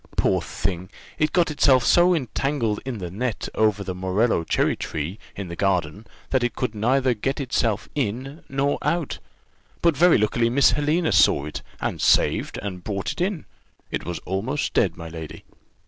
Poor thing! it got itself so entangled in the net over the morello cherry tree, in the garden, that it could neither get itself in nor out; but very luckily Miss Helena saw it, and saved, and brought it in: it was almost dead, my lady."